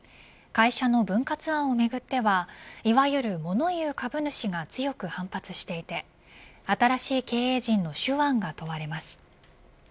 会社の分割案をめぐってはいわゆるモノ言う株主が強く反発していて新しい経営陣の手腕が問われます。